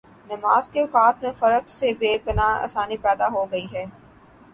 نمازکے اوقات میں فرق سے بے پناہ آسانی پیدا ہوگئی ہے۔